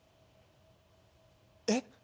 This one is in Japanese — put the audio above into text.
えっ？